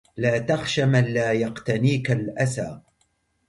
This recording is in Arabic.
لا تخش من لا يقتنيك الأسى